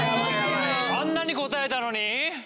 あんなに答えたのに！？